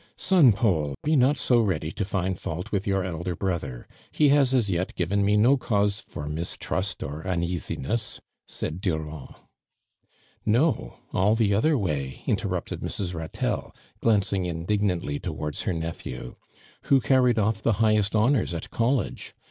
''" Son Paul, be ivot so ready to find fault ■with your elder brother, lie has as yet given me no cause for mistrust, or xmeasi ness," said Durand. '< No ! all the othei way !' interrupted Mrs. JJatelle, glancing indignantly towards her nephew. " Who carried ott' the highest honors at college?